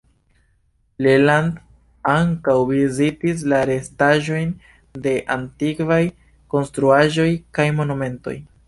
Leland ankaŭ vizitis la restaĵojn de antikvaj konstruaĵoj kaj monumentoj.